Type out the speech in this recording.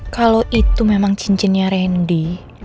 kalau itu memang cincinnya randy